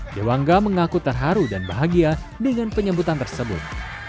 dewangga mengaku terharu dan bahagia dengan penyebutan tersebut